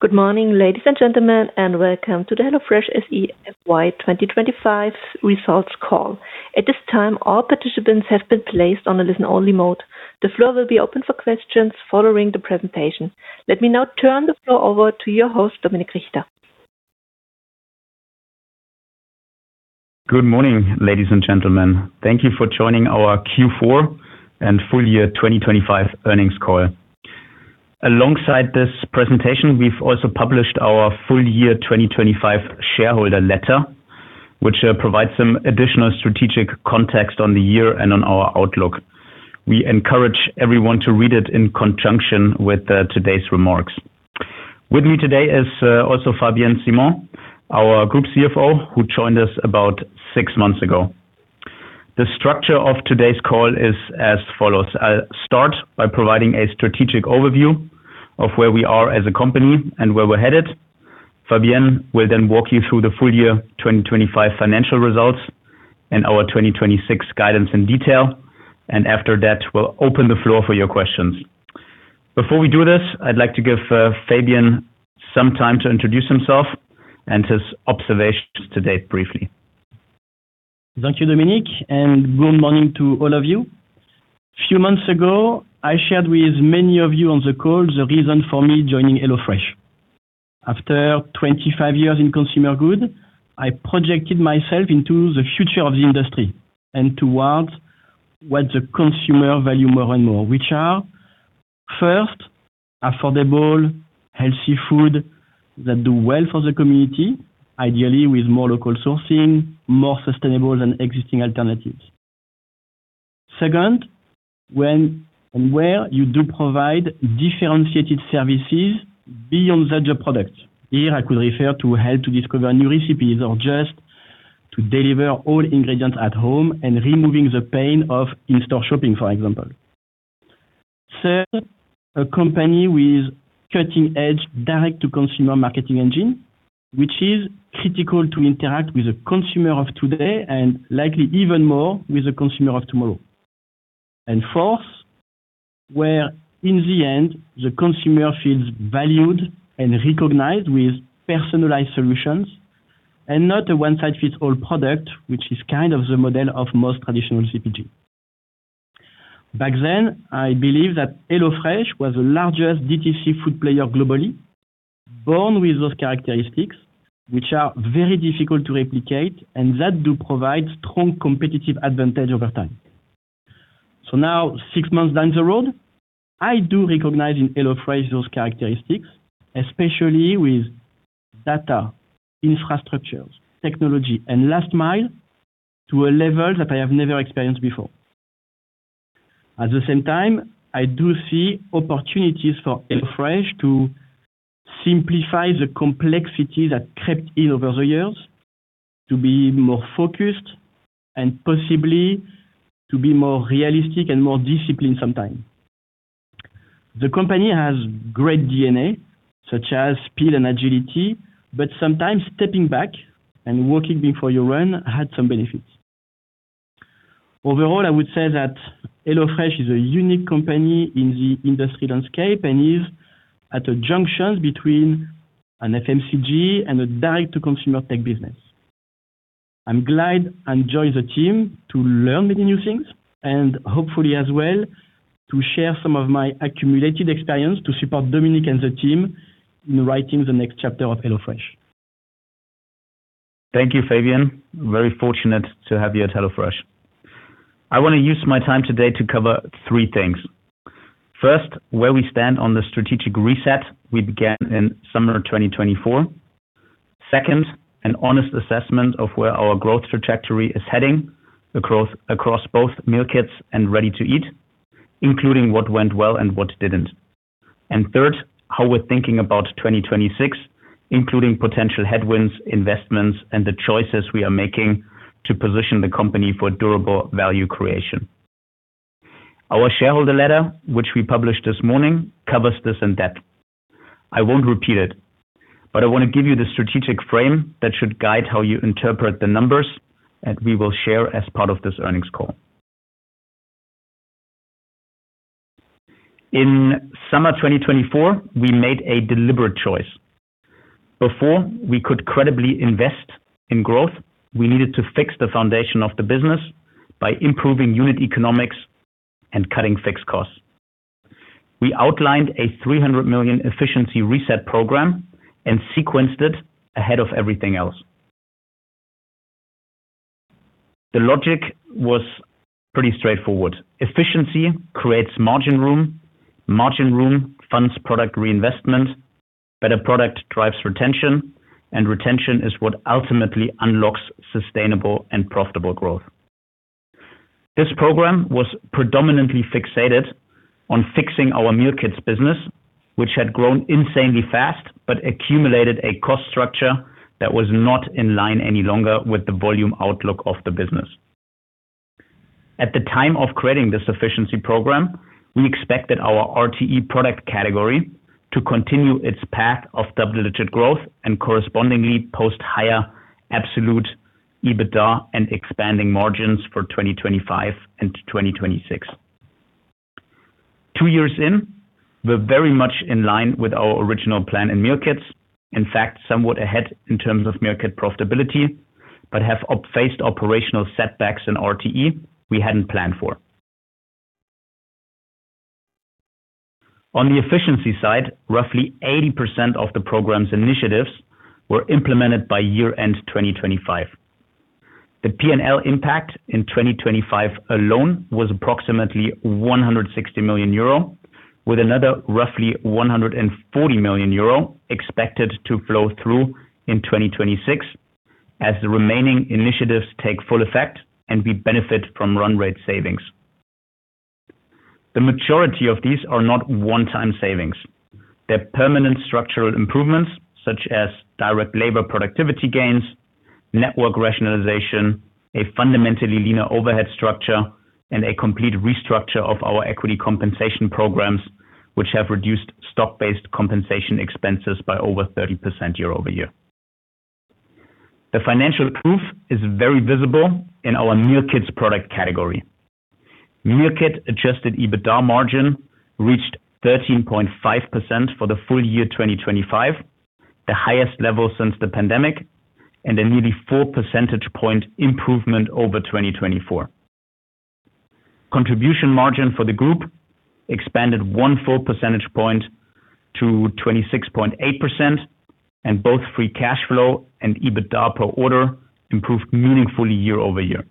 Good morning, ladies and gentlemen, and welcome to the HelloFresh SE FY 2025 results call. At this time, all participants have been placed on a listen-only mode. The floor will be open for questions following the presentation. Let me now turn the floor over to your host, Dominik Richter. Good morning, ladies and gentlemen. Thank you for joining our Q4 and full year 2025 earnings call. Alongside this presentation, we've also published our full year 2025 shareholder letter, which provides some additional strategic context on the year and on our outlook. We encourage everyone to read it in conjunction with today's remarks. With me today is also Fabien Simon, our group CFO, who joined us about six months ago. The structure of today's call is as follows. I'll start by providing a strategic overview of where we are as a company and where we're headed. Fabien will then walk you through the full year 2025 financial results and our 2026 guidance in detail, and after that, we'll open the floor for your questions. Before we do this, I'd like to give, Fabien some time to introduce himself and his observations today briefly. Thank you, Dominik, and good morning to all of you. Few months ago, I shared with many of you on the call the reason for me joining HelloFresh. After 25 years in consumer goods, I projected myself into the future of the industry and towards what the consumer value more and more, which are, first, affordable, healthy food that do well for the community, ideally with more local sourcing, more sustainable than existing alternatives. Second, when and where you do provide differentiated services beyond the other product. Here I could refer to help to discover new recipes or just to deliver all ingredients at home and removing the pain of in-store shopping, for example. Third, a company with cutting-edge direct-to-consumer marketing engine, which is critical to interact with the consumer of today and likely even more with the consumer of tomorrow. Fourth, where in the end, the consumer feels valued and recognized with personalized solutions and not a one-size-fits-all product, which is kind of the model of most traditional CPG. Back then, I believe that HelloFresh was the largest DTC food player globally, born with those characteristics, which are very difficult to replicate, and that do provide strong competitive advantage over time. Now, six months down the road, I do recognize in HelloFresh those characteristics, especially with data, infrastructures, technology, and last mile to a level that I have never experienced before. At the same time, I do see opportunities for HelloFresh to simplify the complexity that crept in over the years to be more focused and possibly to be more realistic and more disciplined sometime. The company has great DNA, such as speed and agility, but sometimes stepping back and walking before you run had some benefits. Overall, I would say that HelloFresh is a unique company in the industry landscape and is at a junction between an FMCG and a direct-to-consumer tech business. I'm glad to join the team to learn many new things and hopefully as well to share some of my accumulated experience to support Dominik and the team in writing the next chapter of HelloFresh. Thank you, Fabien. Very fortunate to have you at HelloFresh. I want to use my time today to cover three things. First, where we stand on the strategic reset we began in summer 2024. Second, an honest assessment of where our growth trajectory is heading across both Meal Kits and Ready-to-Eat, including what went well and what didn't. Third, how we're thinking about 2026, including potential headwinds, investments, and the choices we are making to position the company for durable value creation. Our shareholder letter, which we published this morning, covers this in depth. I won't repeat it, but I want to give you the strategic frame that should guide how you interpret the numbers that we will share as part of this earnings call. In summer 2024, we made a deliberate choice. Before we could credibly invest in growth, we needed to fix the foundation of the business by improving unit economics and cutting fixed costs. We outlined a 300 million efficiency reset program and sequenced it ahead of everything else. The logic was pretty straightforward. Efficiency creates margin room, margin room funds product reinvestment, better product drives retention, and retention is what ultimately unlocks sustainable and profitable growth. This program was predominantly fixated on fixing our Meal Kits business, which had grown insanely fast but accumulated a cost structure that was not in line any longer with the volume outlook of the business. At the time of creating this efficiency program, we expected our RTE product category to continue its path of double-digit growth and correspondingly post higher absolute EBITDA and expanding margins for 2025 and 2026. Two years in, we're very much in line with our original plan in Meal Kits. In fact, somewhat ahead in terms of Meal Kit profitability, but have faced operational setbacks in RTE we hadn't planned for. On the efficiency side, roughly 80% of the program's initiatives were implemented by year-end 2025. The P&L impact in 2025 alone was approximately 160 million euro, with another roughly 140 million euro expected to flow through in 2026 as the remaining initiatives take full effect and we benefit from run rate savings. The majority of these are not one-time savings. They're permanent structural improvements such as direct labor productivity gains, network rationalization, a fundamentally leaner overhead structure, and a complete restructure of our equity compensation programs, which have reduced stock-based compensation expenses by over 30% year-over-year. The financial proof is very visible in our Meal Kits product category. Meal Kit adjusted EBITDA margin reached 13.5% for the full year 2025, the highest level since the pandemic, and a nearly 4 percentage point improvement over 2024. Contribution margin for the group expanded one full percentage point to 26.8%, and both free cash flow and EBITDA per order improved meaningfully year-over-year.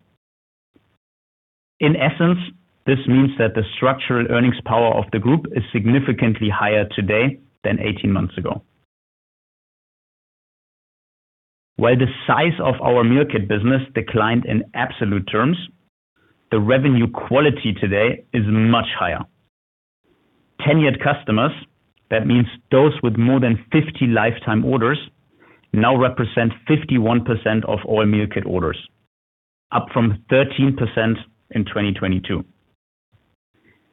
In essence, this means that the structural earnings power of the group is significantly higher today than 18 months ago. While the size of our Meal Kit business declined in absolute terms, the revenue quality today is much higher. Tenured customers, that means those with more than 50 lifetime orders, now represent 51% of all meal kit orders, up from 13% in 2022.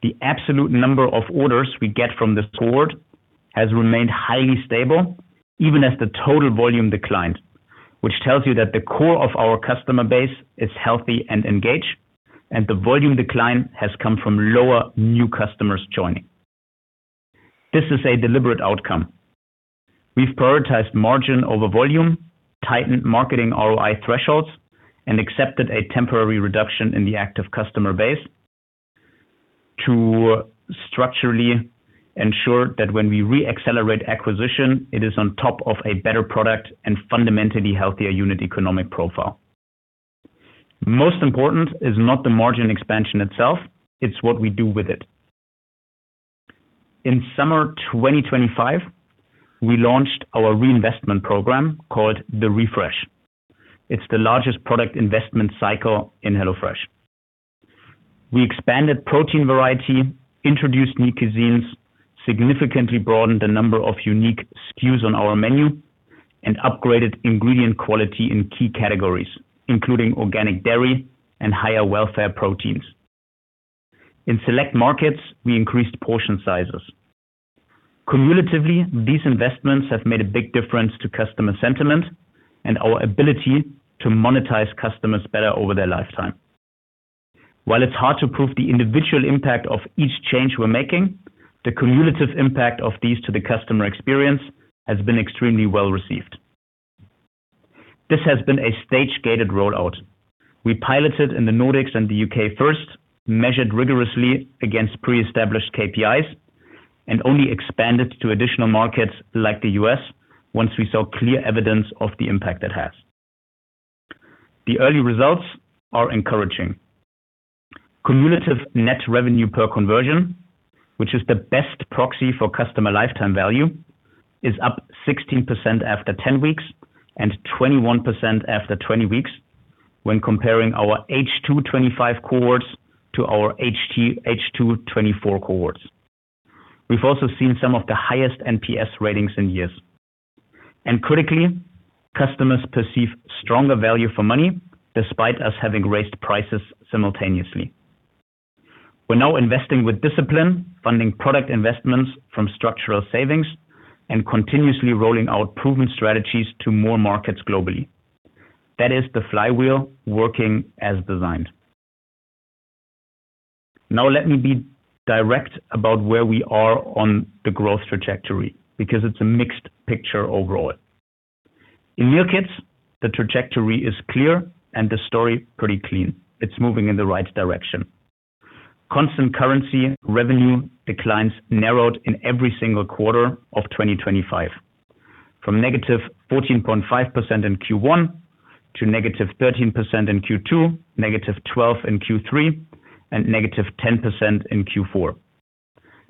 The absolute number of orders we get from this cohort has remained highly stable even as the total volume declined, which tells you that the core of our customer base is healthy and engaged, and the volume decline has come from lower new customers joining. This is a deliberate outcome. We've prioritized margin over volume, tightened marketing ROI thresholds, and accepted a temporary reduction in the active customer base to structurally ensure that when we re-accelerate acquisition, it is on top of a better product and fundamentally healthier unit economic profile. Most important is not the margin expansion itself, it's what we do with it. In summer 2025, we launched our reinvestment program called The ReFresh. It's the largest product investment cycle in HelloFresh. We expanded protein variety, introduced new cuisines, significantly broadened the number of unique SKUs on our menu, and upgraded ingredient quality in key categories, including organic dairy and higher welfare proteins. In select markets, we increased portion sizes. Cumulatively, these investments have made a big difference to customer sentiment and our ability to monetize customers better over their lifetime. While it's hard to prove the individual impact of each change we're making, the cumulative impact of these to the customer experience has been extremely well-received. This has been a stage-gated rollout. We piloted in the Nordics and the U.K. first, measured rigorously against pre-established KPIs, and only expanded to additional markets like the U.S. once we saw clear evidence of the impact it has. The early results are encouraging. Cumulative net revenue per conversion, which is the best proxy for customer lifetime value, is up 16% after 10 weeks and 21% after 20 weeks when comparing our H2 2025 cohorts to our H2 2024 cohorts. We've also seen some of the highest NPS ratings in years. Critically, customers perceive stronger value for money despite us having raised prices simultaneously. We're now investing with discipline, funding product investments from structural savings, and continuously rolling out proven strategies to more markets globally. That is the flywheel working as designed. Now let me be direct about where we are on the growth trajectory, because it's a mixed picture overall. In Meal Kits, the trajectory is clear and the story pretty clean. It's moving in the right direction. Constant currency revenue declines narrowed in every single quarter of 2025, from -14.5% in Q1 to -13% in Q2, -12% in Q3, and -10% in Q4.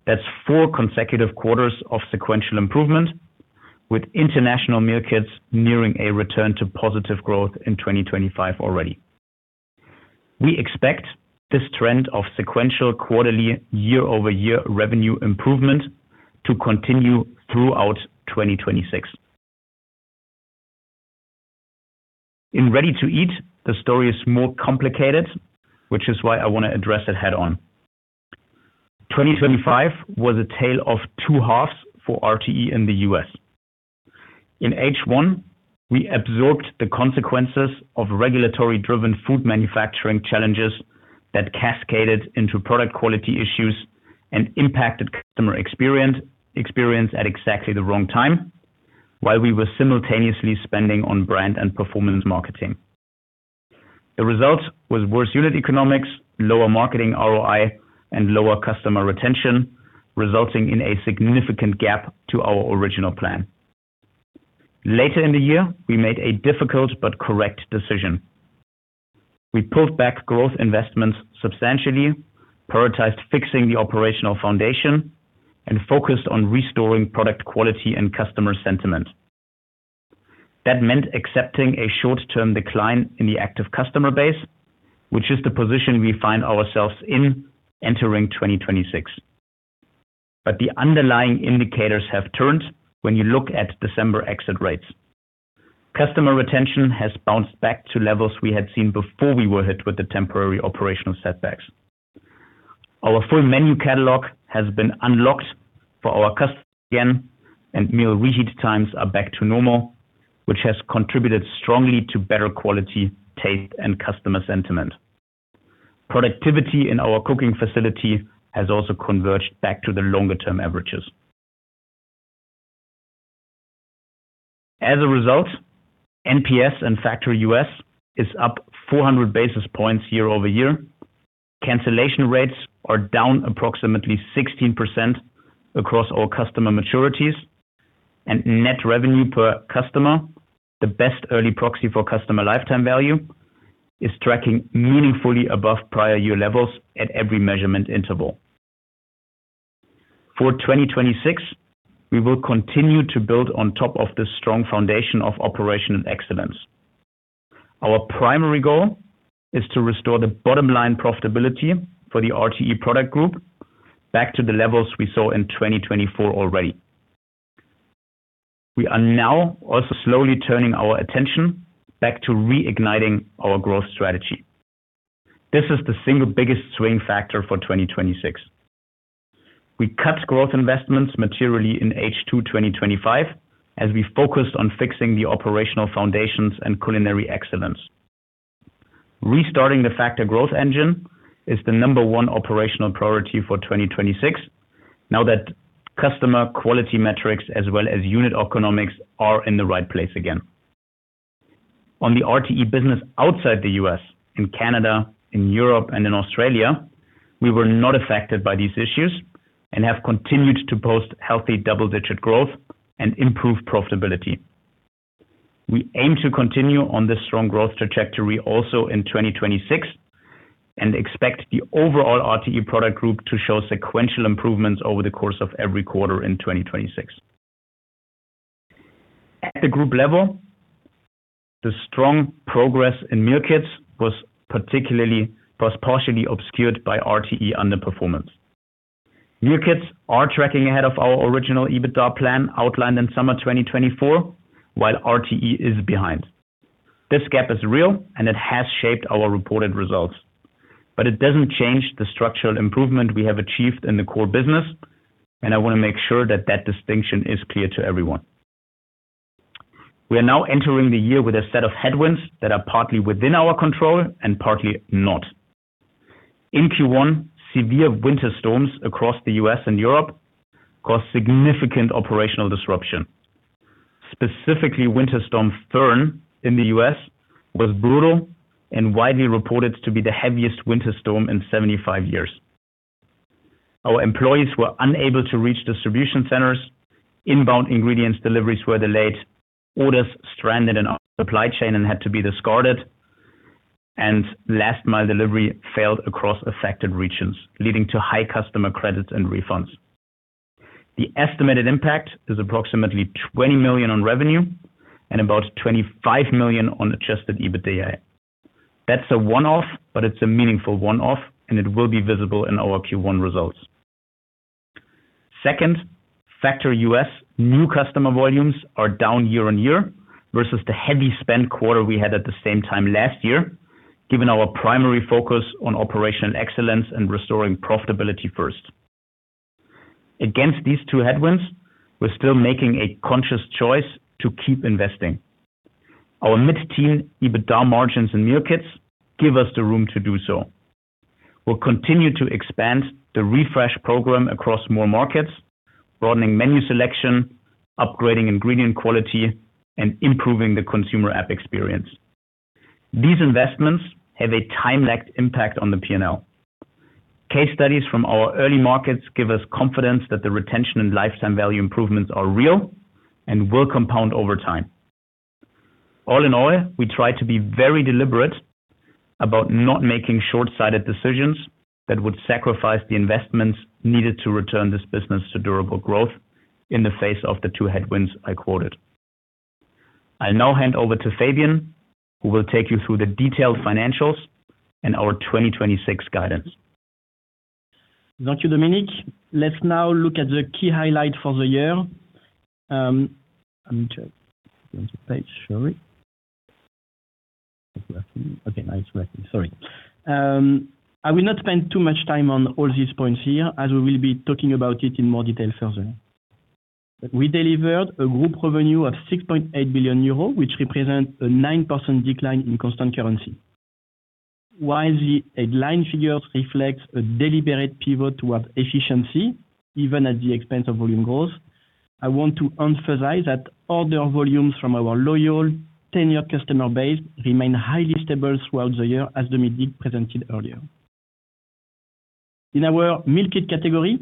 That's four consecutive quarters of sequential improvement with international Meal Kits nearing a return to positive growth in 2025 already. We expect this trend of sequential quarterly year-over-year revenue improvement to continue throughout 2026. In Ready-to-Eat, the story is more complicated, which is why I want to address it head-on. 2025 was a tale of two halves for RTE in the U.S. In H1, we absorbed the consequences of regulatory-driven food manufacturing challenges that cascaded into product quality issues and impacted customer experience at exactly the wrong time while we were simultaneously spending on brand and performance marketing. The result was worse unit economics, lower marketing ROI, and lower customer retention, resulting in a significant gap to our original plan. Later in the year, we made a difficult but correct decision. We pulled back growth investments substantially, prioritized fixing the operational foundation, and focused on restoring product quality and customer sentiment. That meant accepting a short-term decline in the active customer base, which is the position we find ourselves in entering 2026. The underlying indicators have turned when you look at December exit rates. Customer retention has bounced back to levels we had seen before we were hit with the temporary operational setbacks. Our full menu catalog has been unlocked for our customers again, and meal reheat times are back to normal, which has contributed strongly to better quality, taste, and customer sentiment. Productivity in our cooking facility has also converged back to the longer-term averages. As a result, NPS and Factor U.S. is up 400 basis points year-over-year. Cancellation rates are down approximately 16% across all customer maturities. Net revenue per customer, the best early proxy for customer lifetime value, is tracking meaningfully above prior year levels at every measurement interval. For 2026, we will continue to build on top of this strong foundation of operational excellence. Our primary goal is to restore the bottom line profitability for the RTE product group back to the levels we saw in 2024 already. We are now also slowly turning our attention back to reigniting our growth strategy. This is the single biggest swing factor for 2026. We cut growth investments materially in H2 2025 as we focused on fixing the operational foundations and culinary excellence. Restarting the Factor growth engine is the number one operational priority for 2026 now that customer quality metrics as well as unit economics are in the right place again. On the RTE business outside the U.S., in Canada, in Europe, and in Australia, we were not affected by these issues and have continued to post healthy double-digit growth and improve profitability. We aim to continue on this strong growth trajectory also in 2026 and expect the overall RTE product group to show sequential improvements over the course of every quarter in 2026. At the group level, the strong progress in Meal Kits was partially obscured by RTE underperformance. Meal Kits are tracking ahead of our original EBITDA plan outlined in summer 2024, while RTE is behind. This gap is real, and it has shaped our reported results. It doesn't change the structural improvement we have achieved in the core business, and I want to make sure that that distinction is clear to everyone. We are now entering the year with a set of headwinds that are partly within our control and partly not. In Q1, severe winter storms across the U.S. and Europe caused significant operational disruption. Specifically, Winter Storm Fern in the U.S. was brutal and widely reported to be the heaviest winter storm in 75 years. Our employees were unable to reach distribution centers, inbound ingredients deliveries were delayed, orders stranded in our supply chain and had to be discarded, and last mile delivery failed across affected regions, leading to high customer credits and refunds. The estimated impact is approximately 20 million on revenue and about 25 million on adjusted EBITDA. That's a one-off, but it's a meaningful one-off, and it will be visible in our Q1 results. Second, Factor U.S. new customer volumes are down year-on-year versus the heavy spend quarter we had at the same time last year, given our primary focus on operational excellence and restoring profitability first. Against these two headwinds, we're still making a conscious choice to keep investing. Our mid-teen EBITDA margins in Meal Kits give us the room to do so. We'll continue to expand The ReFresh program across more markets, broadening menu selection, upgrading ingredient quality, and improving the consumer app experience. These investments have a time-lagged impact on the P&L. Case studies from our early markets give us confidence that the retention and lifetime value improvements are real and will compound over time. All in all, we try to be very deliberate about not making short-sighted decisions that would sacrifice the investments needed to return this business to durable growth in the face of the two headwinds I quoted. I'll now hand over to Fabien, who will take you through the detailed financials and our 2026 guidance. Thank you, Dominik. Let's now look at the key highlight for the year. Let me check the page. Sorry. Okay, now it's working. Sorry. I will not spend too much time on all these points here, as we will be talking about it in more detail further. We delivered a group revenue of 6.8 billion euros, which represents a 9% decline in constant currency. While the headline figures reflects a deliberate pivot towards efficiency, even at the expense of volume growth, I want to emphasize that order volumes from our loyal tenured customer base remain highly stable throughout the year, as Dominik presented earlier. In our Meal Kit category,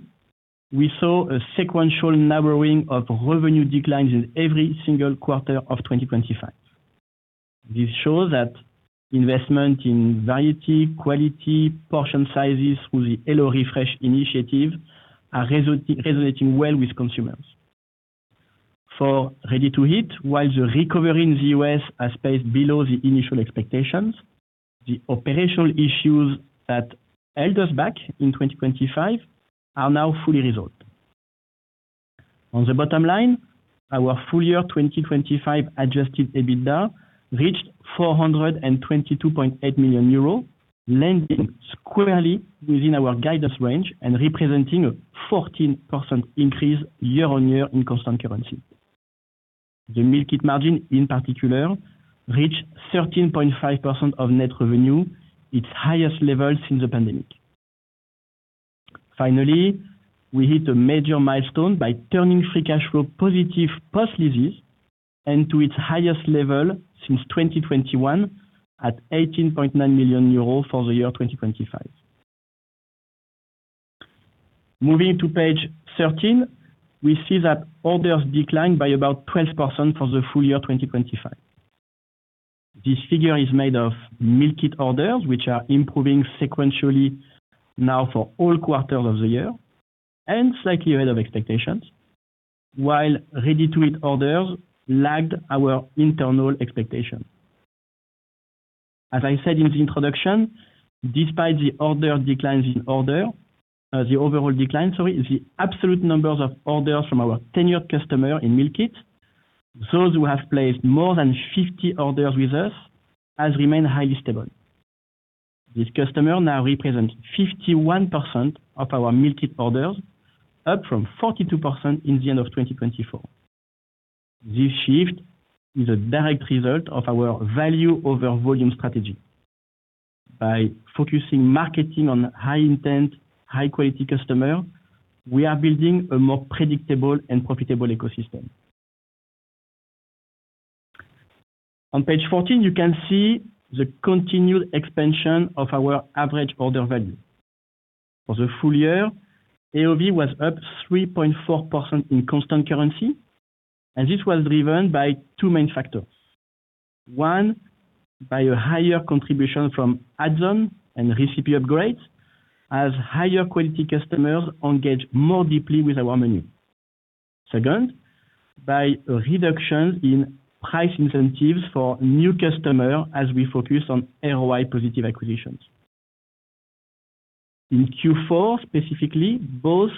we saw a sequential narrowing of revenue declines in every single quarter of 2025. This shows that investment in variety, quality, portion sizes through the Hello reFresh initiative are resonating well with consumers. For Ready-to-Eat, while the recovery in the U.S. has paced below the initial expectations, the operational issues that held us back in 2025 are now fully resolved. On the bottom line, our full year 2025 adjusted EBITDA reached 422.8 million euro, landing squarely within our guidance range and representing a 14% increase year-on-year in constant currency. The Meal Kit margin, in particular, reached 13.5% of net revenue, its highest level since the pandemic. Finally, we hit a major milestone by turning free cash flow positive post-lease and to its highest level since 2021 at 18.9 million euros for the year 2025. Moving to page 13, we see that orders declined by about 12% for the full year 2025. This figure is made of meal kit orders, which are improving sequentially now for all quarters of the year and slightly ahead of expectations, while ready-to-eat orders lagged our internal expectations. As I said in the introduction, despite the overall decline, the absolute numbers of orders from our tenured customer in Meal Kit, those who have placed more than 50 orders with us, has remained highly stable. This customer now represents 51% of our meal kit orders, up from 42% in the end of 2024. This shift is a direct result of our value over volume strategy. By focusing marketing on high intent, high quality customer, we are building a more predictable and profitable ecosystem. On page 14, you can see the continued expansion of our average order value. For the full year, AOV was up 3.4% in constant currency, and this was driven by two main factors. One, by a higher contribution from add-on and recipe upgrades as higher quality customers engage more deeply with our menu. Second, by a reduction in price incentives for new customers as we focus on ROI positive acquisitions. In Q4 specifically, both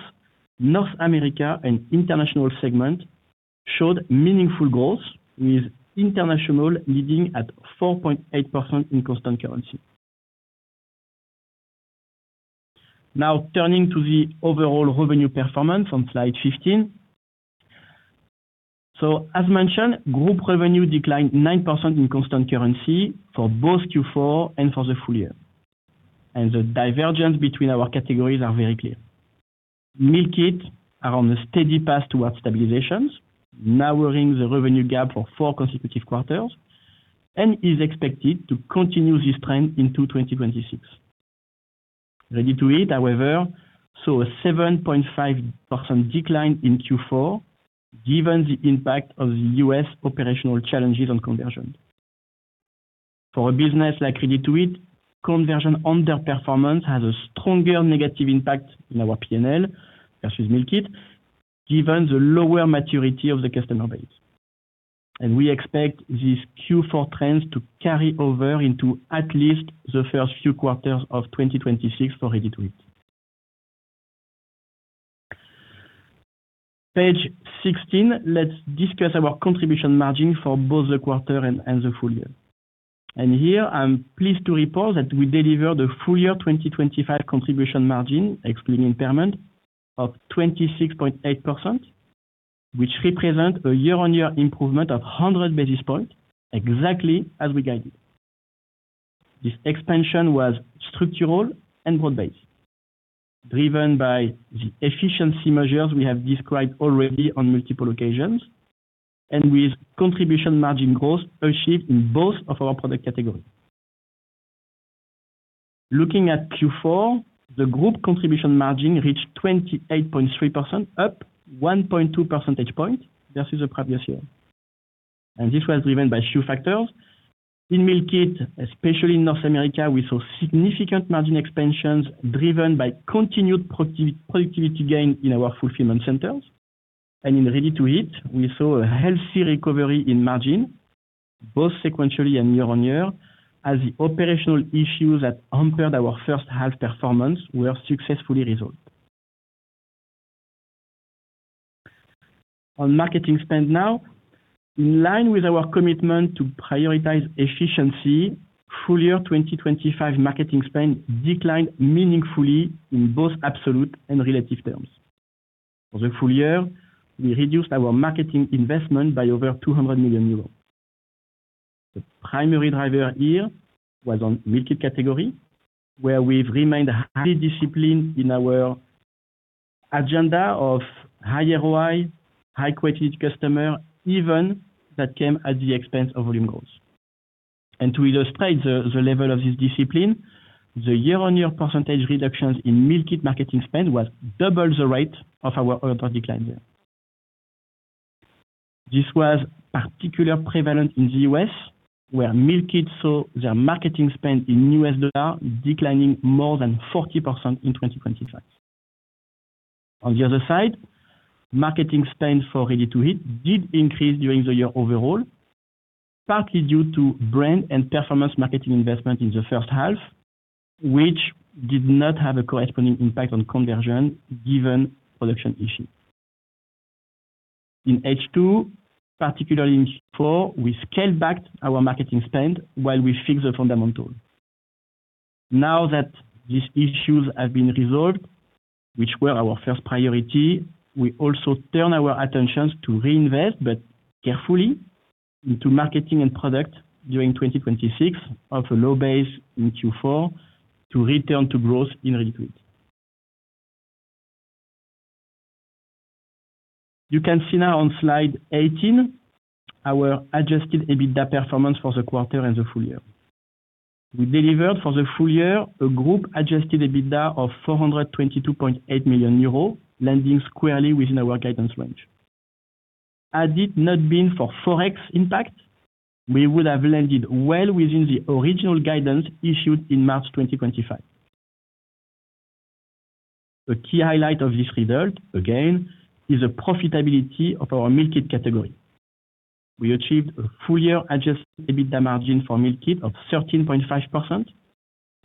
North America and international segment showed meaningful growth, with international leading at 4.8% in constant currency. Now turning to the overall revenue performance on slide 15. So as mentioned, group revenue declined 9% in constant currency for both Q4 and for the full year. The divergence between our categories are very clear. Meal Kits are on a steady path towards stabilization, narrowing the revenue gap for four consecutive quarters, and is expected to continue this trend into 2026. Ready-to-Eat, however, saw a 7.5% decline in Q4, given the impact of the U.S. operational challenges on conversion. For a business like Ready-to-Eat, conversion underperformance has a stronger negative impact in our P&L versus Meal Kit, given the lower maturity of the customer base. We expect these Q4 trends to carry over into at least the first few quarters of 2026 for Ready-to-Eat. Page 16, let's discuss our contribution margin for both the quarter and the full year. Here, I'm pleased to report that we delivered a full year 2025 contribution margin, excluding impairment, of 26.8%, which represent a year-on-year improvement of 100 basis points, exactly as we guided. This expansion was structural and broad-based, driven by the efficiency measures we have described already on multiple occasions, and with contribution margin growth achieved in both of our product categories. Looking at Q4, the group contribution margin reached 28.3%, up 1.2 percentage point versus the previous year. This was driven by a few factors. In Meal Kit, especially in North America, we saw significant margin expansions driven by continued productivity gains in our fulfillment centers. In Ready-to-Eat, we saw a healthy recovery in margin, both sequentially and year-on-year, as the operational issues that hampered our first half performance were successfully resolved. Now, on marketing spend, in line with our commitment to prioritize efficiency, full year 2025 marketing spend declined meaningfully in both absolute and relative terms. For the full year, we reduced our marketing investment by over 200 million euros. The primary driver here was in Meal Kit category, where we've remained highly disciplined in our agenda of high ROI, high-quality customers, even though that came at the expense of volume goals. To illustrate the level of this discipline, the year-on-year percentage reductions in Meal Kit marketing spend was double the rate of our order decline there. This was particularly prevalent in the U.S., where Meal Kit saw their marketing spend in US dollar declining more than 40% in 2025. On the other side, marketing spend for Ready-to-Eat did increase during the year overall, partly due to brand and performance marketing investment in the first half, which did not have a corresponding impact on conversion given production issue. In H2, particularly in Q4, we scaled back our marketing spend while we fixed the fundamental. Now that these issues have been resolved, which were our first priority, we also turn our attentions to reinvest, but carefully, into marketing and product during 2026 from a low base in Q4 to return to growth in Ready-to-Eat. You can see now on slide 18 our adjusted EBITDA performance for the quarter and the full year. We delivered for the full year a group adjusted EBITDA of 422.8 million euros, landing squarely within our guidance range. Had it not been for Forex impact, we would have landed well within the original guidance issued in March 2025. A key highlight of this result, again, is the profitability of our Meal Kit category. We achieved a full year adjusted EBITDA margin for Meal Kit of 13.5%,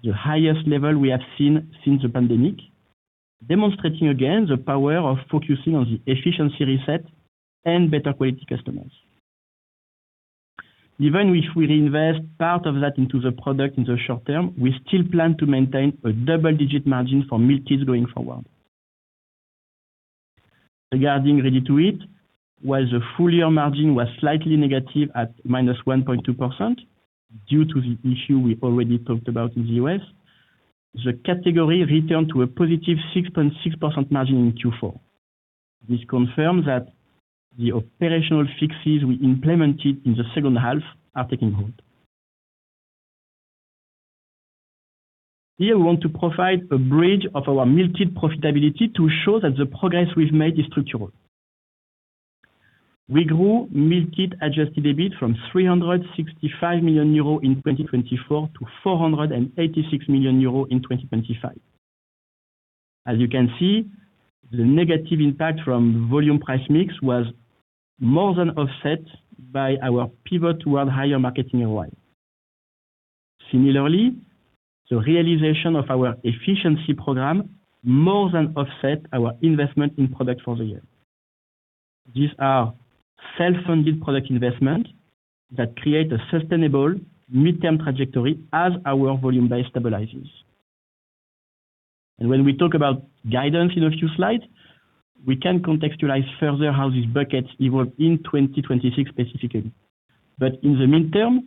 the highest level we have seen since the pandemic, demonstrating again the power of focusing on the efficiency reset and better quality customers. Even if we reinvest part of that into the product in the short-term, we still plan to maintain a double-digit margin for Meal Kits going forward. Regarding Ready-to-Eat, while the full-year margin was slightly negative at -1.2% due to the issue we already talked about in the U.S., the category returned to a positive 6.6% margin in Q4. This confirms that the operational fixes we implemented in the second half are taking hold. Here we want to provide a bridge of our Meal Kit profitability to show that the progress we've made is structural. We grew Meal Kit adjusted EBIT from 365 million euro in 2024 to 486 million euro in 2025. As you can see, the negative impact from volume price mix was more than offset by our pivot toward higher marketing ROI. Similarly, the realization of our efficiency program more than offset our investment in product for the year. These are self-funded product investments that create a sustainable midterm trajectory as our volume base stabilizes. When we talk about guidance in a few slides, we can contextualize further how these buckets evolve in 2026 specifically. In the midterm,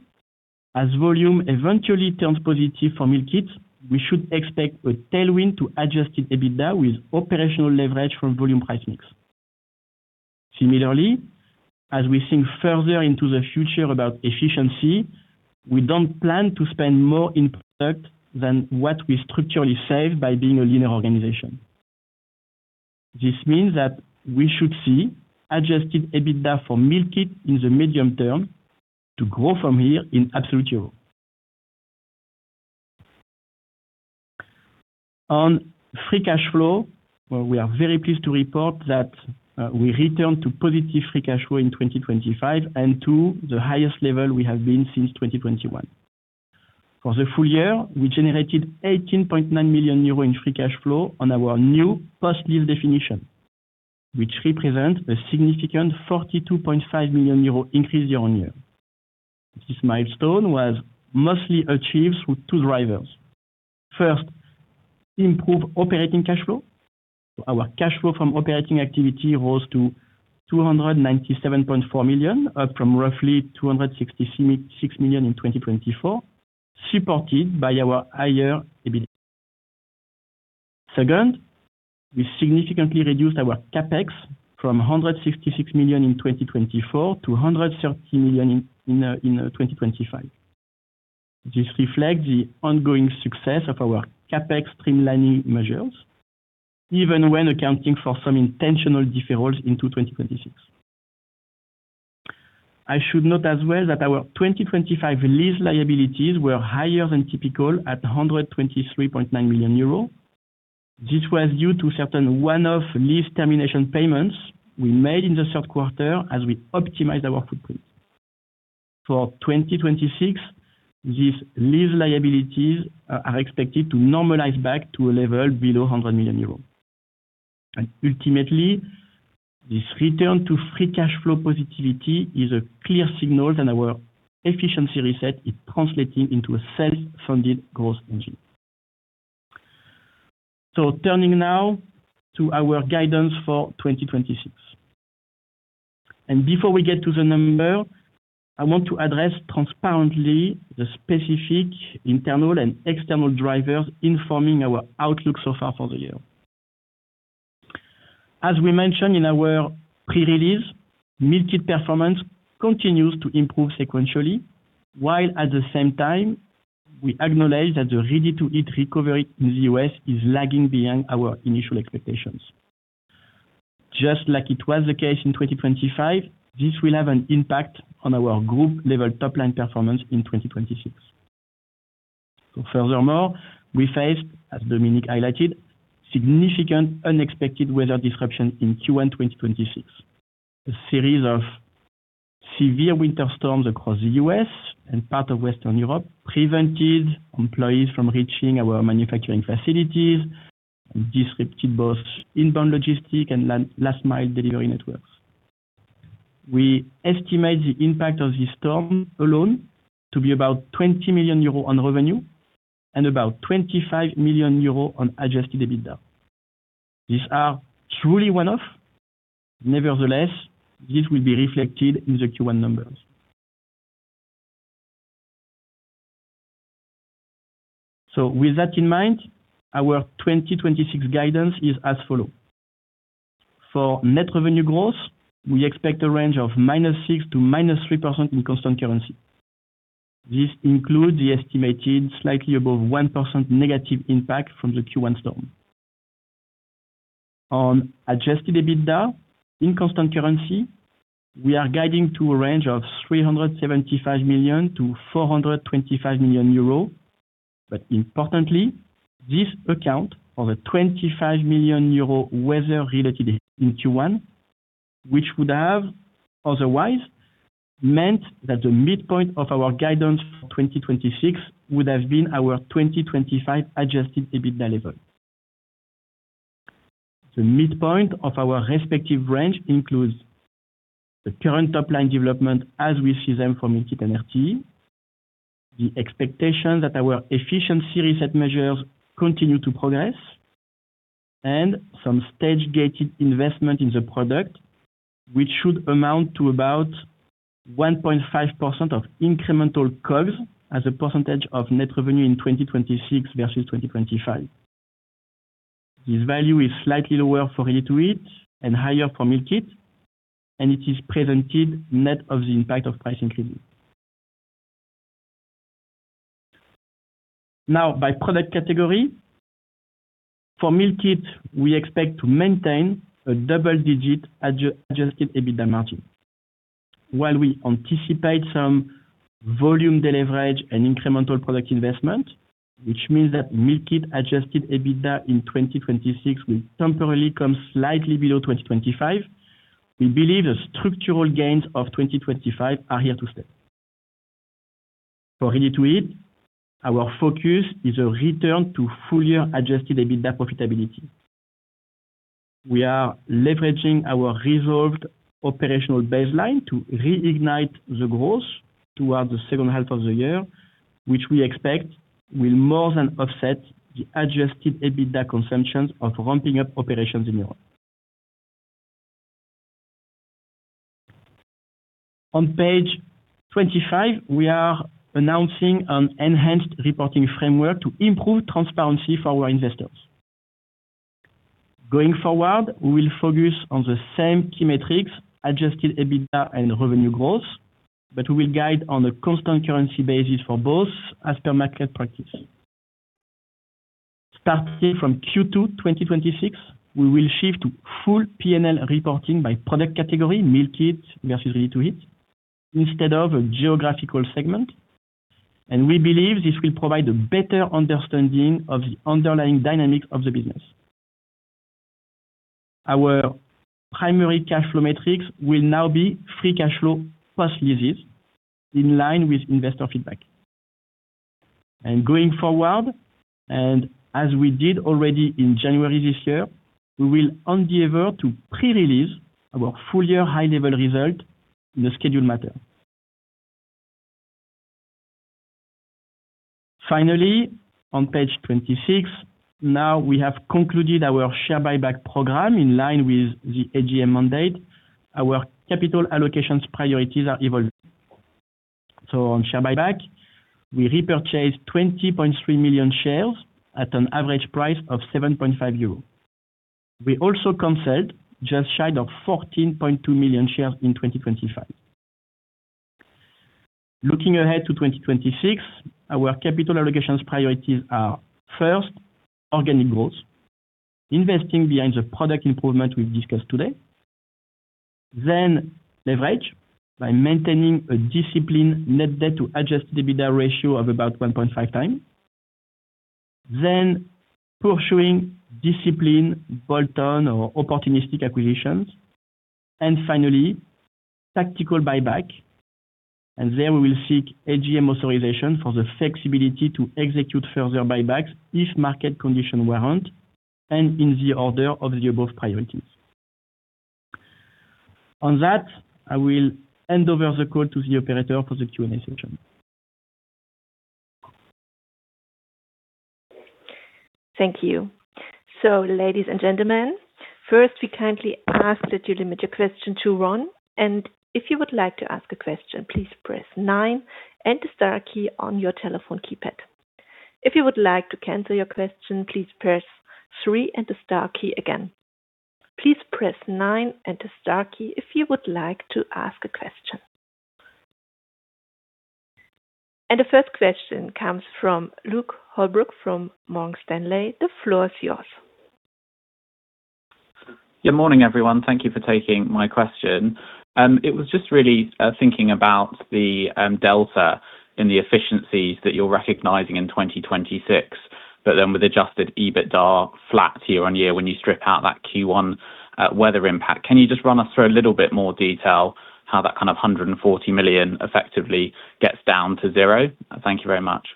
as volume eventually turns positive for Meal Kit, we should expect a tailwind to adjusted EBITDA with operational leverage from volume price mix. Similarly, as we think further into the future about efficiency, we don't plan to spend more in product than what we structurally save by being a leaner organization. This means that we should see adjusted EBITDA for Meal Kit in the medium term to grow from here in absolute euro. On free cash flow, well, we are very pleased to report that we returned to positive free cash flow in 2025 and to the highest level we have been since 2021. For the full year, we generated 18.9 million euros in free cash flow on our new post-lease definition, which represent a significant 42.5 million euro increase year-on-year. This milestone was mostly achieved through two drivers. First, improved operating cash flow. Our cash flow from operating activities rose to 297.4 million, up from roughly 266 million in 2024, supported by our higher EBITDA. Second, we significantly reduced our CapEx from 166 million in 2024 to 130 million in 2025. This reflects the ongoing success of our CapEx streamlining measures, even when accounting for some intentional deferrals into 2026. I should note as well that our 2025 lease liabilities were higher than typical at 123.9 million euros. This was due to certain one-off lease termination payments we made in the third quarter as we optimized our footprint. For 2026, these lease liabilities are expected to normalize back to a level below 100 million euros. Ultimately, this return to free cash flow positivity is a clear signal that our efficiency reset is translating into a self-funded growth engine. Turning now to our guidance for 2026. Before we get to the number, I want to address transparently the specific internal and external drivers informing our outlook so far for the year. As we mentioned in our pre-release, Meal Kit performance continues to improve sequentially, while at the same time, we acknowledge that the Ready-to-Eat recovery in the U.S. is lagging behind our initial expectations. Just like it was the case in 2025, this will have an impact on our group level top line performance in 2026. Furthermore, we faced, as Dominik highlighted, significant unexpected weather disruption in Q1 2026. A series of severe winter storms across the U.S. and part of Western Europe prevented employees from reaching our manufacturing facilities and disrupted both inbound logistic and last mile delivery networks. We estimate the impact of this storm alone to be about 20 million euros on revenue and about 25 million euros on adjusted EBITDA. These are truly one-off. Nevertheless, this will be reflected in the Q1 numbers. With that in mind, our 2026 guidance is as follows. For net revenue growth, we expect a range of -6% to -3% in constant currency. This includes the estimated slightly above 1% negative impact from the Q1 storm. On adjusted EBITDA in constant currency, we are guiding to a range of 375 million-425 million euro. Importantly, this accounts for a 25 million euro weather-related in Q1, which would have otherwise meant that the midpoint of our guidance for 2026 would have been our 2025 adjusted EBITDA level. The midpoint of our respective range includes the current top line development as we see them from Meal Kit and RTE, the expectation that our efficiency reset measures continue to progress, and some stage-gated investment in the product, which should amount to about 1.5% of incremental COGS as a percentage of net revenue in 2026 versus 2025. This value is slightly lower for Ready-to-Eat and higher for Meal Kit, and it is presented net of the impact of price increases. Now, by product category, for Meal Kit, we expect to maintain a double-digit adjusted EBITDA margin. While we anticipate some volume deleverage and incremental product investment, which means that Meal Kit adjusted EBITDA in 2026 will temporarily come slightly below 2025, we believe the structural gains of 2025 are here to stay. For Ready-to-Eat, our focus is a return to full year adjusted EBITDA profitability. We are leveraging our reserved operational baseline to reignite the growth toward the second half of the year, which we expect will more than offset the adjusted EBITDA consumptions of ramping up operations in Europe. On page 25, we are announcing an enhanced reporting framework to improve transparency for our investors. Going forward, we will focus on the same key metrics, adjusted EBITDA and revenue growth, but we will guide on a constant currency basis for both as per market practice. Starting from Q2 2026, we will shift to full P&L reporting by product category, Meal Kit versus Ready-to-Eat, instead of a geographical segment. We believe this will provide a better understanding of the underlying dynamics of the business. Our primary cash flow metrics will now be free cash flow plus leases in line with investor feedback. Going forward, and as we did already in January this year, we will endeavor to pre-release our full year high level result in a scheduled matter. Finally, on page 26, now we have concluded our share buyback program in line with the AGM mandate. Our capital allocations priorities are evolving. On share buyback, we repurchased 20.3 million shares at an average price of 7.5 euros. We also canceled just shy of 14.2 million shares in 2025. Looking ahead to 2026, our capital allocation priorities are first, organic growth, investing behind the product improvement we've discussed today. Leverage by maintaining a disciplined net debt to adjusted EBITDA ratio of about 1.5x. Pursuing disciplined bolt-on or opportunistic acquisitions. Finally, tactical buyback. There we will seek AGM authorization for the flexibility to execute further buybacks if market conditions warrant and in the order of the above priorities. On that, I will hand over the call to the operator for the Q&A session. Thank you. Ladies and gentlemen, first, we kindly ask that you limit your question to one, and if you would like to ask a question, please press nine and the star key on your telephone keypad. If you would like to cancel your question, please press three and the star key again. Please press nine and the star key if you would like to ask a question. The first question comes from Luke Holbrook from Morgan Stanley. The floor is yours. Good morning, everyone. Thank you for taking my question. It was just really thinking about the delta in the efficiencies that you're recognizing in 2026, but then with adjusted EBITDA flat year-over-year when you strip out that Q1 weather impact. Can you just run us through a little bit more detail how that kind of 140 million effectively gets down to zero? Thank you very much.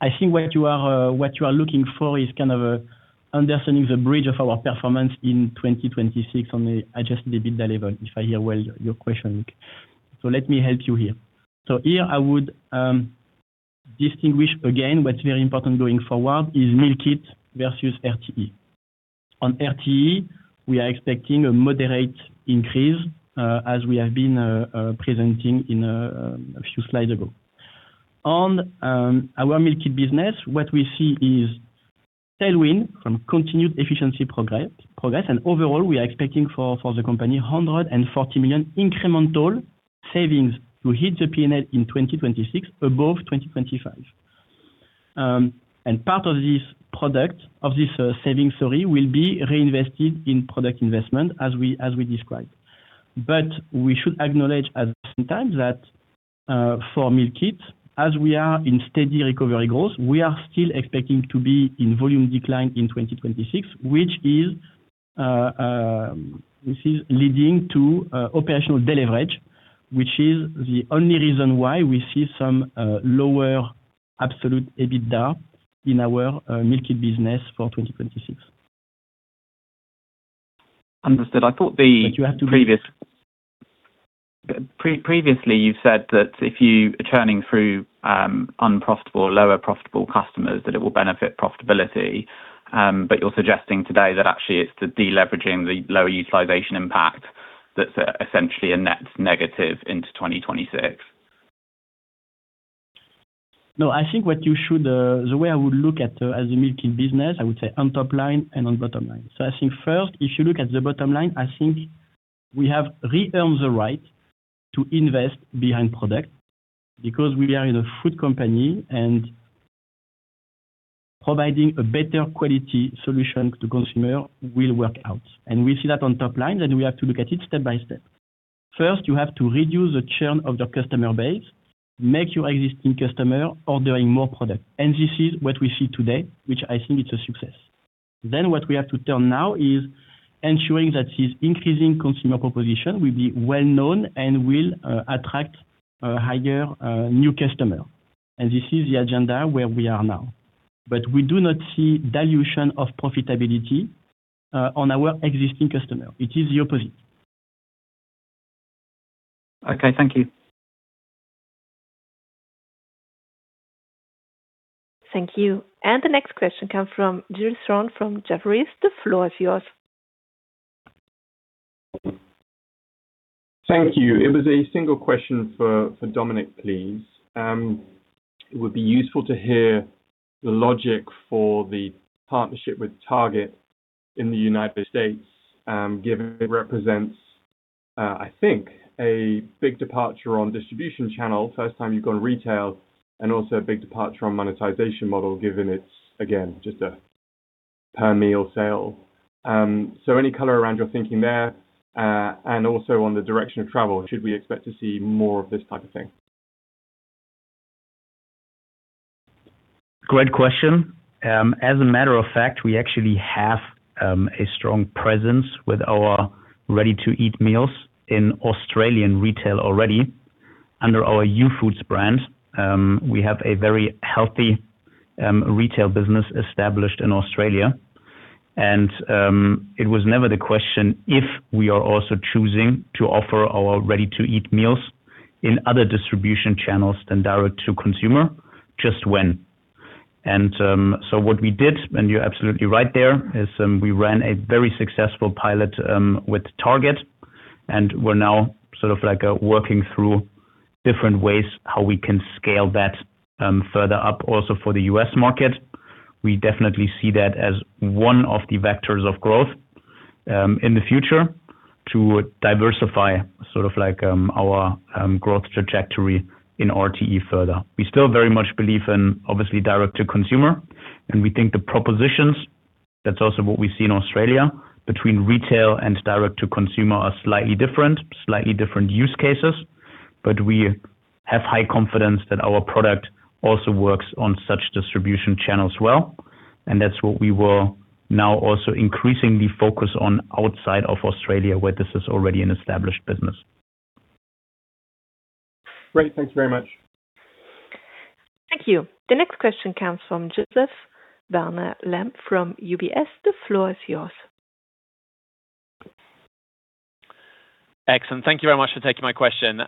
I think what you are looking for is kind of understanding the bridge of our performance in 2026 on the adjusted EBIT level, if I hear well your question, Luke. Let me help you here. Here I would distinguish again what's very important going forward is Meal Kit versus RTE. On RTE, we are expecting a moderate increase as we have been presenting in a few slides ago. On our Meal Kit business, what we see is tailwind from continued efficiency progress, and overall, we are expecting for the company 140 million incremental savings to hit the P&L in 2026 above 2025. Part of this saving, sorry, will be reinvested in product investment as we described. We should acknowledge at the same time that for Meal Kit, as we are in steady recovery growth, we are still expecting to be in volume decline in 2026, which is leading to operational deleverage, which is the only reason why we see some lower absolute EBITDA in our Meal Kit business for 2026. Understood. You have to be. Previously, you've said that if you are churning through unprofitable or lower profitable customers that it will benefit profitability, but you're suggesting today that actually it's the deleveraging, the lower utilization impact that's essentially a net negative into 2026. No, I think what you should. The way I would look at as a Meal Kit business, I would say on top line and on bottom line. I think first, if you look at the bottom line, I think we have re-earned the right to invest behind product because we are in a food company and providing a better quality solution to consumer will work out. We see that on top line, and we have to look at it step by step. First, you have to reduce the churn of the customer base, make your existing customer ordering more product. This is what we see today, which I think it's a success. What we have to turn now is ensuring that this increasing consumer proposition will be well-known and will attract higher new customer. This is the agenda where we are now. We do not see dilution of profitability on our existing customer. It is the opposite. Okay, thank you. Thank you. The next question comes from Giles Thorne from Jefferies. The floor is yours. Thank you. It was a single question for Dominik, please. It would be useful to hear the logic for the partnership with Target in the United States, given it represents, I think a big departure on distribution channel. First time you've gone retail and also a big departure on monetization model, given it's again, just a per meal sale. Any color around your thinking there, and also on the direction of travel, should we expect to see more of this type of thing? Great question. As a matter of fact, we actually have a strong presence with our Ready-to-Eat meals in Australian retail already under our Youfoodz brand. We have a very healthy retail business established in Australia. It was never the question if we are also choosing to offer our Ready-to-Eat meals in other distribution channels than direct to consumer, just when. What we did, and you're absolutely right there, is we ran a very successful pilot with Target, and we're now sort of like working through different ways how we can scale that further up also for the U.S. market. We definitely see that as one of the vectors of growth in the future to diversify sort of like our growth trajectory in RTE further. We still very much believe in, obviously, direct to consumer, and we think the propositions. That's also what we see in Australia between retail and direct to consumer are slightly different use cases. We have high confidence that our product also works on such distribution channels well, and that's what we will now also increasingly focus on outside of Australia, where this is already an established business. Great. Thanks very much. Thank you. The next question comes from Joseph Barnet-Lamb from UBS. The floor is yours. Excellent. Thank you very much for taking my question.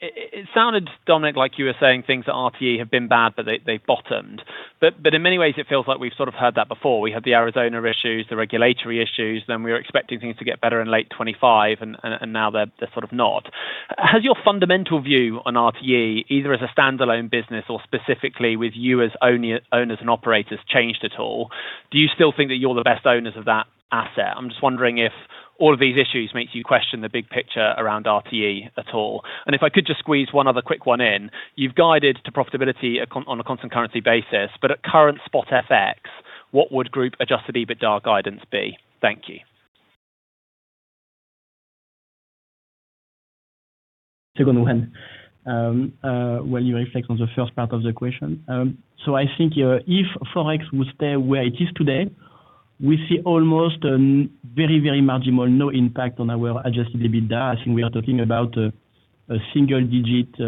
It sounded, Dominik, like you were saying things at RTE have been bad, but they bottomed. In many ways it feels like we've sort of heard that before. We had the Arizona issues, the regulatory issues, then we were expecting things to get better in late 2025 and now they're sort of not. Has your fundamental view on RTE, either as a standalone business or specifically with you as owners and operators changed at all? Do you still think that you're the best owners of that asset? I'm just wondering if all of these issues makes you question the big picture around RTE at all. If I could just squeeze one other quick one in. You've guided to profitability on a constant currency basis, but at current spot FX, what would group adjusted EBITDA guidance be? Thank you. Second one, while you reflect on the first part of the question. I think if Forex would stay where it is today, we see almost very, very marginal, no impact on our adjusted EBITDA. I think we are talking about a single-digit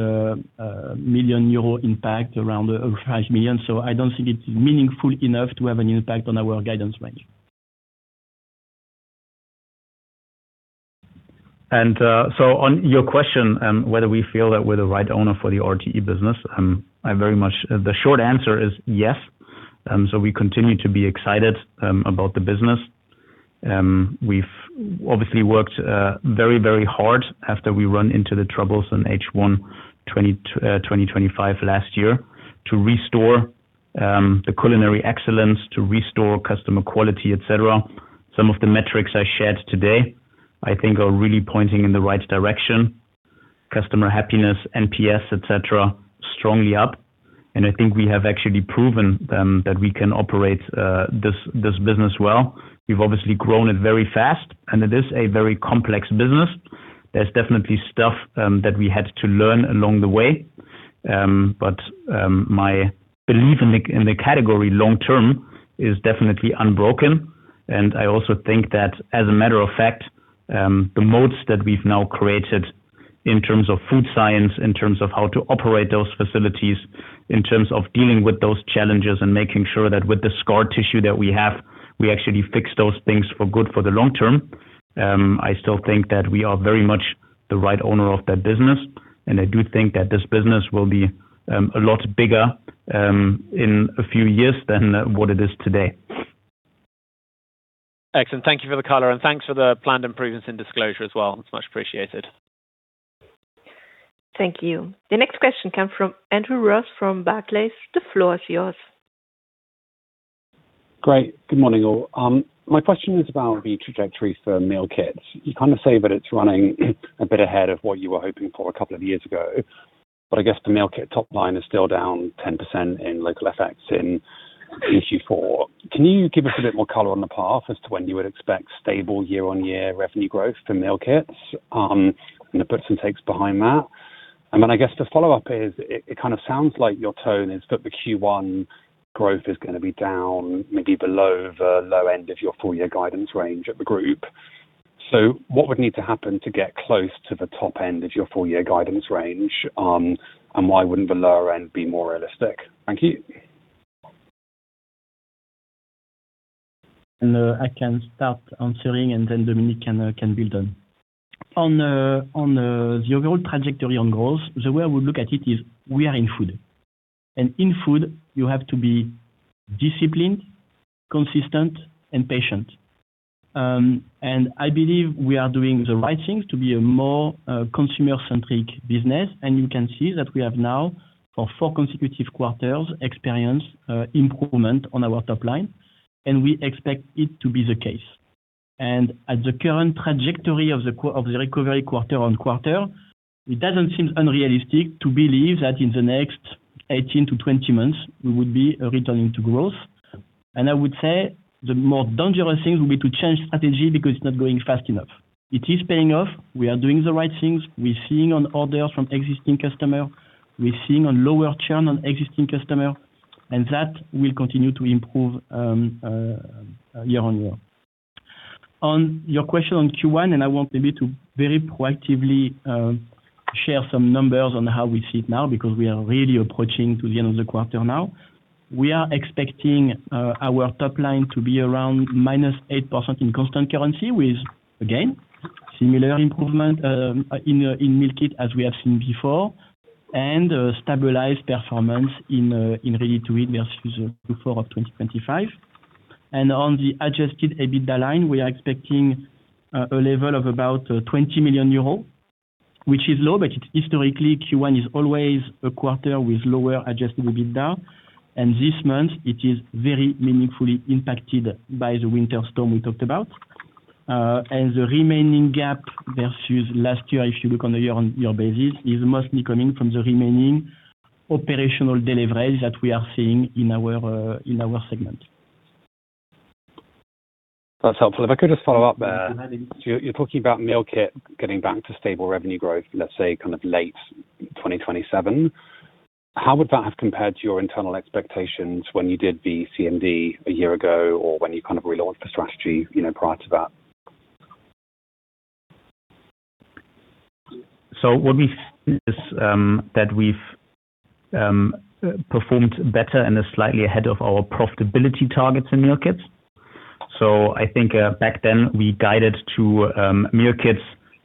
million euro impact around 5 million. I don't think it's meaningful enough to have an impact on our guidance range. On your question on whether we feel that we're the right owner for the RTE business, I very much, the short answer is yes. We continue to be excited about the business. We've obviously worked very, very hard after we run into the troubles in H1 2025 last year to restore the culinary excellence, to restore customer quality, et cetera. Some of the metrics I shared today, I think are really pointing in the right direction. Customer happiness, NPS, et cetera, strongly up. I think we have actually proven that we can operate this business well. We've obviously grown it very fast, and it is a very complex business. There's definitely stuff that we had to learn along the way. My belief in the category long-term is definitely unbroken. I also think that, as a matter of fact, the modes that we've now created in terms of food science, in terms of how to operate those facilities, in terms of dealing with those challenges and making sure that with the scar tissue that we have, we actually fix those things for good for the long-term. I still think that we are very much the right owner of that business, and I do think that this business will be a lot bigger in a few years than what it is today. Excellent. Thank you for the color, and thanks for the planned improvements in disclosure as well. It's much appreciated. Thank you. The next question comes from Andrew Ross from Barclays. The floor is yours. Great. Good morning, all. My question is about the trajectory for Meal Kits. You kinda say that it's running a bit ahead of what you were hoping for a couple of years ago, but I guess the Meal Kit top line is still down 10% in local FX in Q4. Can you give us a bit more color on the path as to when you would expect stable year-on-year revenue growth for Meal Kits, you know, puts and takes behind that? I guess to follow-up, it kind of sounds like your tone is that the Q1 growth is gonna be down maybe below the low end of your full year guidance range at the group? What would need to happen to get close to the top end of your full year guidance range, and why wouldn't the lower end be more realistic? Thank you. I can start answering, and then Dominik can build on the overall trajectory on growth. The way we look at it is we are in food. In food, you have to be disciplined, consistent, and patient. I believe we are doing the right thing to be a more consumer-centric business. You can see that we have now, for four consecutive quarters, experienced improvement on our top line, and we expect it to be the case. At the current trajectory of the recovery quarter on quarter, it doesn't seem unrealistic to believe that in the next 18-20 months we would be returning to growth. I would say the more dangerous thing would be to change strategy because it's not going fast enough. It is paying off. We are doing the right things. We're seeing on orders from existing customer, lower churn on existing customer, and that will continue to improve year on year. On your question on Q1, I want maybe to very proactively share some numbers on how we see it now, because we are really approaching to the end of the quarter now. We are expecting our top line to be around -8% in constant currency with again similar improvement in Meal Kit as we have seen before, and a stabilized performance in Ready-to-Eat versus the Q4 of 2025. On the adjusted EBITDA line, we are expecting a level of about 20 million euro, which is low, but it's historically Q1 is always a quarter with lower adjusted EBITDA. This month it is very meaningfully impacted by the winter storm we talked about. The remaining gap versus last year, if you look on a year-over-year basis, is mostly coming from the remaining operational delivery that we are seeing in our segment. That's helpful. If I could just follow-up there. You're talking about Meal Kit getting back to stable revenue growth, let's say kind of late 2027. How would that have compared to your internal expectations when you did the CMD a year ago, or when you kind of relaunched the strategy, you know, prior to that? What we've seen is that we've performed better and are slightly ahead of our profitability targets in Meal Kits. I think back then we guided to Meal Kits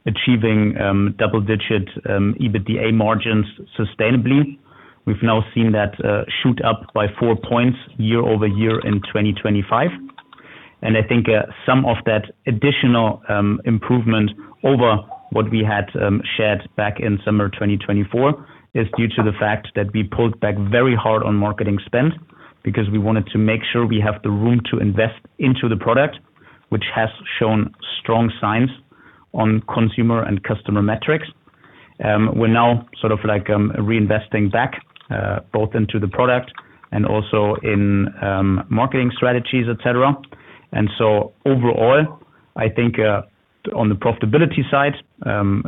achieving double-digit EBITDA margins sustainably. We've now seen that shoot up by 4 points year-over-year in 2025. I think some of that additional improvement over what we had shared back in summer 2024 is due to the fact that we pulled back very hard on marketing spend because we wanted to make sure we have the room to invest into the product, which has shown strong signs on consumer and customer metrics. We're now sort of like reinvesting back both into the product and also in marketing strategies, et cetera. Overall, I think on the profitability side,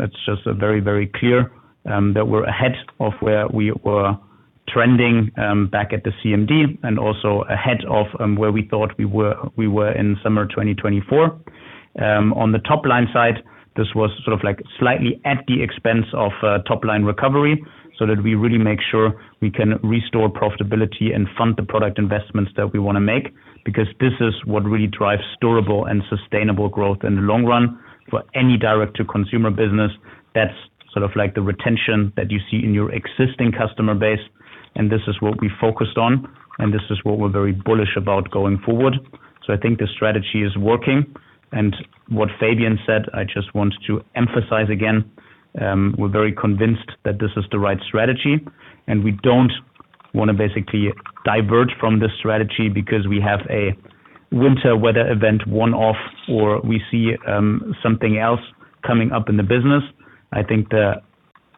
it's just very, very clear that we're ahead of where we were trending back at the CMD and also ahead of where we thought we were in summer 2024. On the top-line side, this was sort of like slightly at the expense of top-line recovery, so that we really make sure we can restore profitability and fund the product investments that we wanna make, because this is what really drives durable and sustainable growth in the long run for any direct-to-consumer business. That's sort of like the retention that you see in your existing customer base, and this is what we focused on, and this is what we're very bullish about going forward. I think the strategy is working. What Fabien said, I just want to emphasize again, we're very convinced that this is the right strategy, and we don't wanna basically diverge from this strategy because we have a winter weather event one-off or we see something else coming up in the business. I think the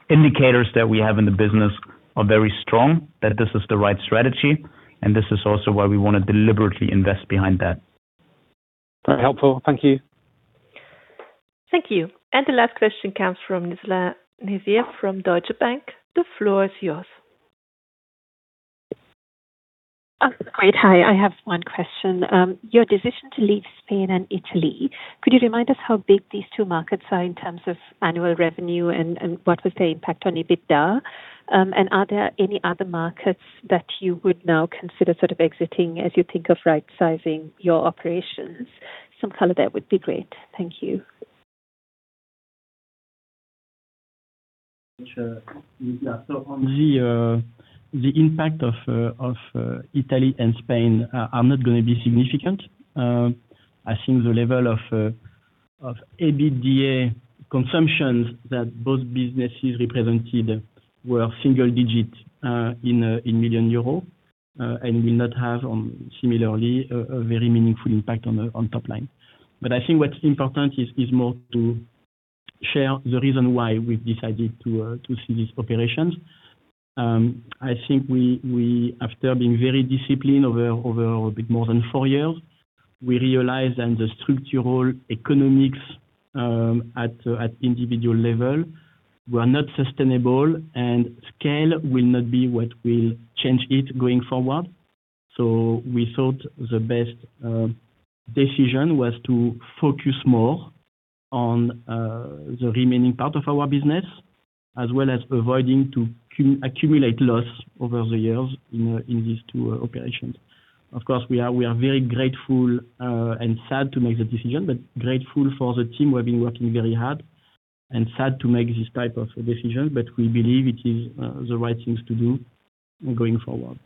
indicators that we have in the business are very strong, that this is the right strategy and this is also why we wanna deliberately invest behind that. Very helpful. Thank you. Thank you. The last question comes from Nizla Naizer from Deutsche Bank. The floor is yours. Great. Hi. I have one question. Your decision to leave Spain and Italy, could you remind us how big these two markets are in terms of annual revenue and what was their impact on EBITDA? Are there any other markets that you would now consider sort of exiting as you think of rightsizing your operations? Some color there would be great. Thank you. Sure. On the impact of Italy and Spain are not gonna be significant. I think the level of EBITDA consumption that both businesses represented were single-digit million euro and will not have similarly a very meaningful impact on top line. I think what's important is more to share the reason why we've decided to cease operations. I think we after being very disciplined over a bit more than four years we realized that the structural economics at individual level were not sustainable and scale will not be what will change it going forward. We thought the best decision was to focus more on the remaining part of our business, as well as avoiding to accumulate loss over the years in these two operations. Of course, we are very grateful and sad to make the decision, but grateful for the team who have been working very hard and sad to make this type of decision. We believe it is the right thing to do going forward.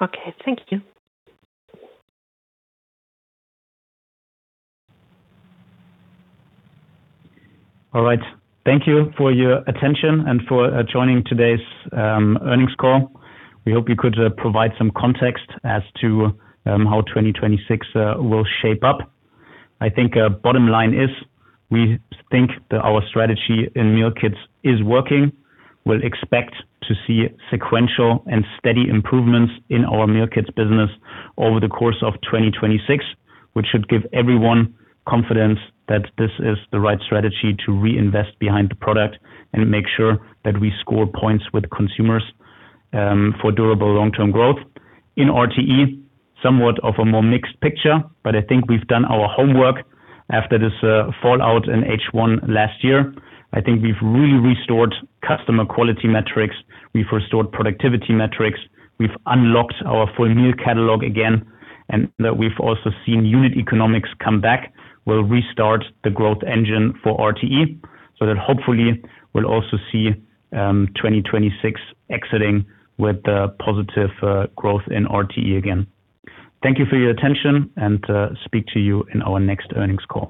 Okay. Thank you. All right. Thank you for your attention and for joining today's earnings call. We hope we could provide some context as to how 2026 will shape up. I think bottom line is, we think that our strategy in Meal Kits is working. We'll expect to see sequential and steady improvements in our Meal Kits business over the course of 2026, which should give everyone confidence that this is the right strategy to reinvest behind the product and make sure that we score points with consumers for durable long-term growth. In RTE, somewhat of a more mixed picture, but I think we've done our homework after this fallout in H1 last year. I think we've really restored customer quality metrics. We've restored productivity metrics. We've unlocked our full meal catalog again, and that we've also seen unit economics come back. We'll restart the growth engine for RTE so that hopefully we'll also see 2026 exiting with a positive growth in RTE again. Thank you for your attention and to speak to you in our next earnings call.